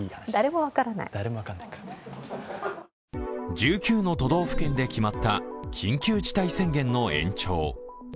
１９の都道府県で決まった緊急事態宣言の延長。